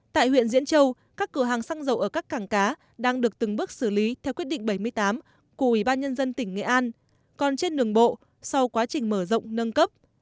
tại huyện diễn châu các cửa hàng xăng dầu ở các cảng cá đang được từng bước xử lý theo quyết định bảy mươi tám của ủy ban nhân dân tỉnh nghệ an còn trên đường bộ sau quá trình mở rộng nâng cấp